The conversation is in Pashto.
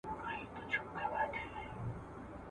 دغه ډول ښوونې ته سکولاستيک ويل کيده.